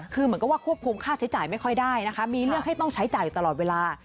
คือเหมือนกับว่าควบคุมค่าใช้จ่ายไม่ค่อยได้นะคะมีเรื่องให้ต้องใช้จ่ายอยู่ตลอดเวลา